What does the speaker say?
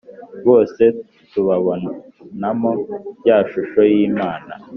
bose tubabonamo ya “shusho y’imana